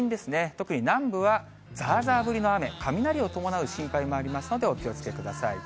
特に南部はざーざー降りの雨、雷を伴う心配もありますので、お気をつけください。